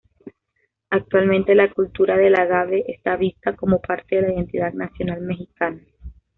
Actualmente, la cultura del agave está vista como parte de la identidad nacional mexicana.